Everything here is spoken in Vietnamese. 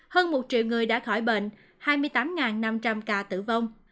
hơn một triệu người đã khỏi bệnh hai mươi tám năm trăm linh ca tử vong